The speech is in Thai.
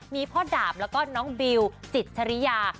มีพ่อดาบแล้วก็น้องบิวจิตชริยา